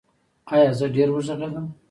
ایا زه ډیر وغږیدم؟